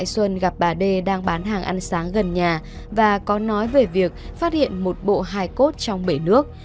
xuân gặp bà đê đang bán hàng ăn sáng gần nhà và có nói về việc phát hiện một bộ hài cốt trong bể nước